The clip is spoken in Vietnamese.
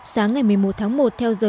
sáng ngày một mươi một tháng một theo giờ